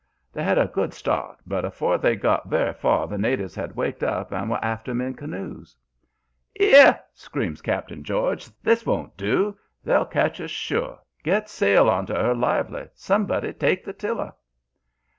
"They had a good start, but afore they'd got very far the natives had waked up and were after 'em in canoes. "''Ere!' screams Cap'n George. 'This won't do! They'll catch us sure. Get sail on to 'er lively! Somebody take that tiller.'